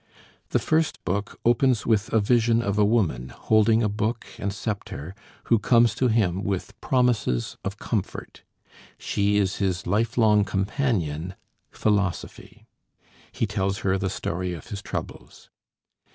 The first book opens with a vision of a woman, holding a book and sceptre, who comes to him with promises of comfort. She is his lifelong companion, Philosophy. He tells her the story of his troubles.